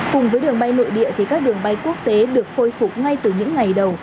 cùng với đường bay nội địa thì các đường bay quốc tế được khôi phục ngay từ những ngày đầu